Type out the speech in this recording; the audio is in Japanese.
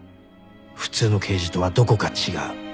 普通の刑事とはどこか違う